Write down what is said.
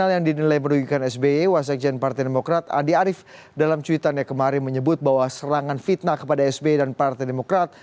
hal yang dinilai merugikan sby wasekjen partai demokrat andi arief dalam cuitannya kemarin menyebut bahwa serangan fitnah kepada sbi dan partai demokrat